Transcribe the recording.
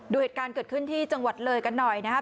เหตุการณ์เกิดขึ้นที่จังหวัดเลยกันหน่อยนะครับ